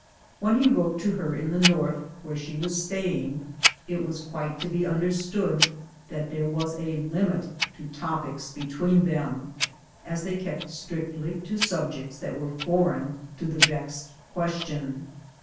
"When he wrote to her at the North, where she was staying, it was quite to be understood that there was a limit to topics between them, as they kept strict ly to subjects that were foreign to the vexed question.